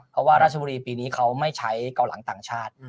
เพราะว่าราชบุรีปีนี้เขาไม่ใช้เกาหลังต่างชาติ